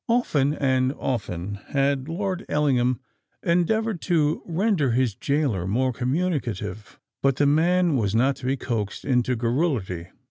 Often and often had Lord Ellingham endeavoured to render his gaoler more communicative; but the man was not to be coaxed into garrulity.